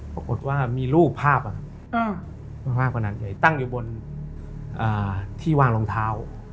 ปรากฏว่ามีรูปภาพกว่านั้นเฉยตั้งอยู่บนที่วางรองเท้า